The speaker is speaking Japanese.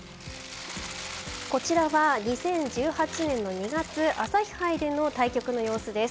こちらは２０１８年の２月朝日杯での対局の様子です。